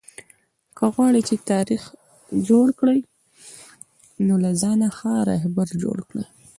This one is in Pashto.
که غواړى، چي تاریخ جوړ کئ؛ نو له ځانه ښه راهبر جوړ کئ!